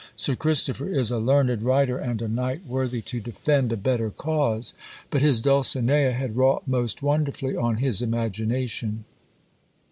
Sir Christopher is a learned writer, and a knight worthy to defend a better cause. But his Dulcinea had wrought most wonderfully on his imagination.